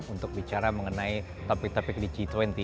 untuk bicara mengenai topik topik di g dua puluh